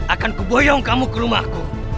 akan kuboyong kamu ke rumahku